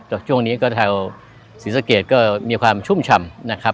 จังหวัดนี้ก็แถวศรีสะเกียจก็มีความชุ่มชำนะครับ